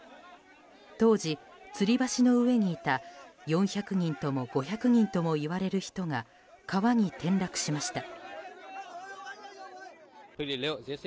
当時、つり橋の上にいた４００人とも５００人ともいわれる人が川に転落しました。